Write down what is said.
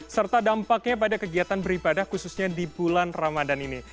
serta dampaknya pada kegiatan beribadah khususnya di bulan ramadan ini